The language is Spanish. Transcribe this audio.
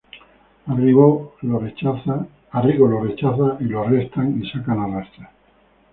Arrigo lo rechaza y lo arrestan y sacan a rastras.